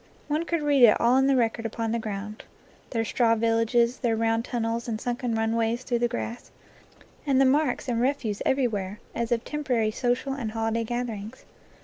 One could read it all in the record upon the ground: their straw villages, their round tunnels and sunken runways through the grass, and the marks and refuse everywhere, as of temporary social and holiday gatherings.